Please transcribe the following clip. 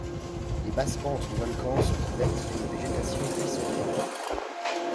Les basses pentes du volcan sont couvertes d'une végétation buissonnante.